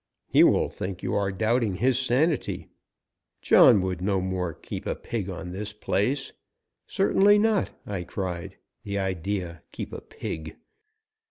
"He will think you are doubting his sanity. John would no more keep a pig on this place " "Certainly not!" I cried. "The idea! Keep a pig!"